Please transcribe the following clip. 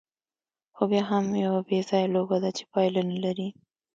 خو بیا هم یوه بېځایه لوبه ده، چې پایله نه لري.